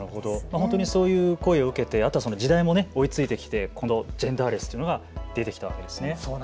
本当にそういう声を受けて時代も追いついてきてジェンダーレスというのが出てきたわけですね。